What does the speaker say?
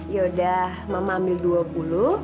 yaudah mama ambil dua puluh